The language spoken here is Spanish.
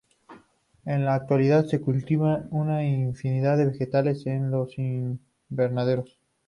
En la actualidad se cultivan una infinidad de vegetales en los invernaderos.